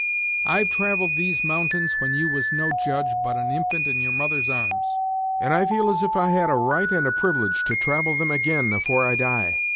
I've travelled these mountains when you was no judge, but an infant in your mother's arms; and I feel as if I had a right and a privilege to travel them agin afore I die.